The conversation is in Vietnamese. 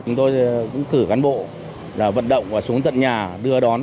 chúng tôi cũng cử cán bộ vận động và xuống tận nhà đưa đón